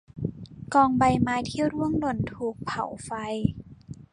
กองใบไม้ที่ร่วงหล่นถูกเผาไฟ